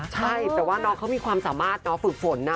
ใช่แต่ว่าเขามีความสามารถฝึกฝน